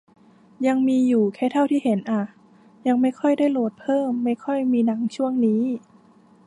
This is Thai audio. ยังมีอยู่แค่เท่าที่เห็นอะ ยังไม่ค่อยได้โหลดเพิ่ม ไม่ค่อยมีหนังช่วงนี้